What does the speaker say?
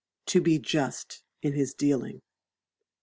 To be just in his dealing.